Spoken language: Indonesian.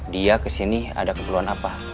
dia kesini ada keperluan apa